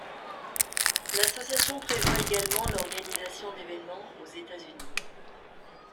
L'association prévoit également l'organisation d'événements aux États-Unis.